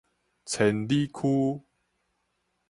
千里駒